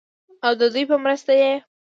او ددوي پۀ مرسته ئې